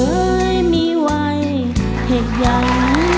ฟ้าเอ๋ยมีวัยเห็ดยัง